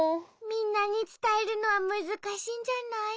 みんなにつたえるのはむずかしいんじゃない？